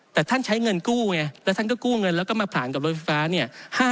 แต่ท่านใช้เงินกู้ไงแล้วท่านก็กู้เงินแล้วก็มาผลาญกับรถไฟฟ้าเนี่ย